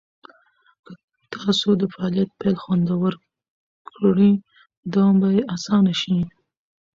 که تاسو د فعالیت پیل خوندور کړئ، دوام به یې اسانه شي.